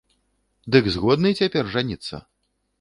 Дык згодны цяпер жаніцца?